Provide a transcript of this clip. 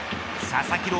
佐々木朗